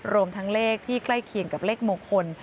รวมทั้งเลขที่ใกล้เคียงกับเลขมงคล